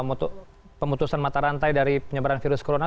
pemutusan mata rantai dari penyebaran virus corona